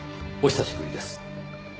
お久しぶりです。